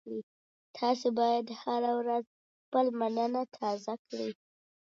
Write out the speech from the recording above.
تاسي باید هره ورځ خپله مننه تازه کړئ.